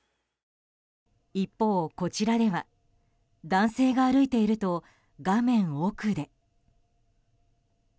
一方、こちらでは男性が歩いていると画面奥で。